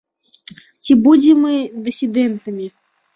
Ці будзем мы дысідэнтамі?